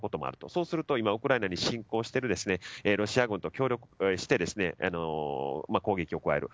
そうするとウクライナに侵攻しているロシア軍と協力して攻撃を加える。